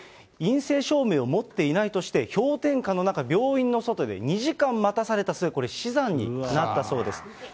陰性証明を持っていないとして、氷点下の中、病院の外で２時間待たされた末、これ、死産になったそうです。